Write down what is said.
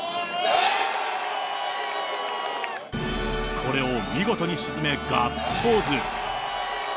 これを見事に沈め、ガッツポーズ。